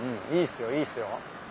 いいっすよいいっすよ。